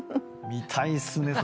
見たいっすね。